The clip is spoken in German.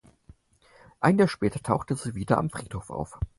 Ein Jahr später tauchte sie wieder am Friedhof auf.